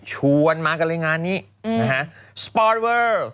ชวนมากันเลยงานนี้นะฮะสปอร์ตเวอร์